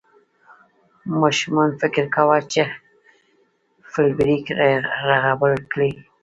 ماشومان فکر کاوه چې فلیریک رغبل کړي.